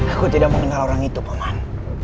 aku tidak mengenal orang itu paman